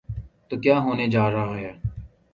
تو کیا ہونے جا رہا ہے؟